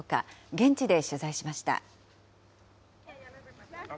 現地で取材しました。